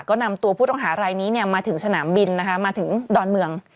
ก็นำตัวผู้ต้องหารายนี้มาถึงสนามบินนะคะมาถึงดอนเมือง